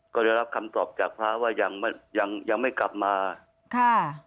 ก็ได้รับคำตอบจากพระว่ายังไม่ยังยังไม่กลับมาค่ะ